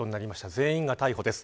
全員が逮捕です。